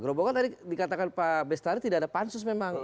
gerobokan tadi dikatakan pak bestari tidak ada pansus memang